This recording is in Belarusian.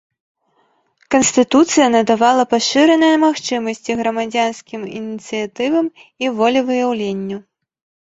Канстытуцыя надавала пашыраныя магчымасці грамадзянскім ініцыятывам і волевыяўленню.